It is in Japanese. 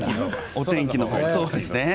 お天気のほうですね。